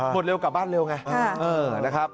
หมดเร็วกลับบ้านเร็วไง